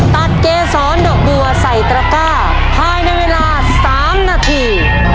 เกษรดอกบัวใส่ตระก้าภายในเวลา๓นาที